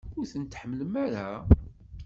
Ur ten-tḥemmlem ara?